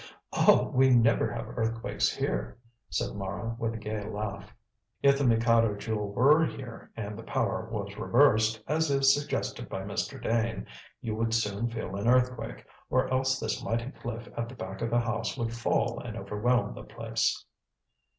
"Oh, we never have earthquakes here," said Mara, with a gay laugh. "If the Mikado Jewel were here, and the power was reversed, as is suggested by Mr. Dane, you would soon feel an earthquake, or else this mighty cliff at the back of the house would fall and overwhelm the place."